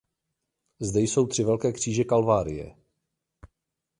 Zde jsou tři velké kříže Kalvárie.